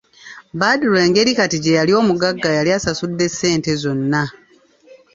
Badru engeri kati gye yali omugagga yali asasudde ssente zonna.